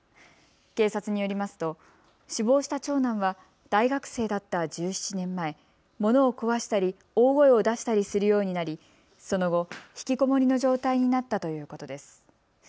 警察によりますと死亡した長男は大学生だった１７年前、物を壊したり大声を出したりするようになりその後、引きこもりの状態になったということです。